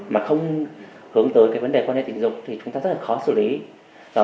mà không hướng tới vấn đề quan hệ tình dục thì chúng ta rất khó xử lý